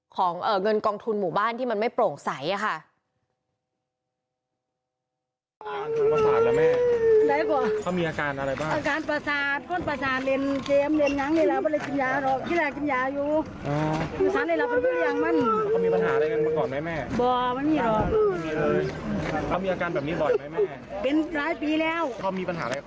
ของเงินกองทุนหมู่บ้านที่มันไม่โปร่งใสค่ะ